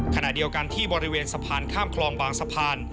ขณะเดียวกันที่บริเวณสะพานข้ามคลองบางสะพาน